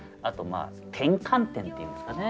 まあ転換点っていうんですかね。